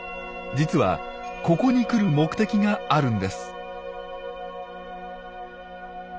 実はここに来る目的があるんです。